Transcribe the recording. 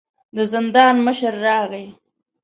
د زندان مشر راغی.